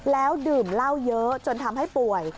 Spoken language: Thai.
แล้วดื่มเหล้าเยอะจนทำให้ป่วย